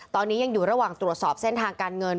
ตอนนี้ยังอยู่ระหว่างตรวจสอบเส้นทางการเงิน